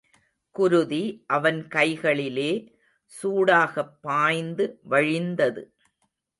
குருதி அவன் கைகளிலே சூடாகப் பாய்ந்து வழிந்தது.